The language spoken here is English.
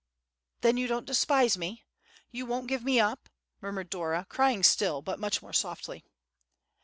"Then you don't despise me—you won't give me up?" murmured Dora, crying still, but much more softly.